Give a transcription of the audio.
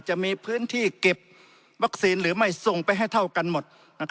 จะมีพื้นที่เก็บวัคซีนหรือไม่ส่งไปให้เท่ากันหมด